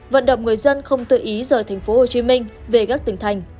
vận động người dân không tự ý rời tp hcm về các tỉnh thành